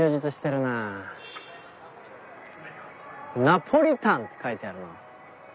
「ナポリタン」って書いてあるな。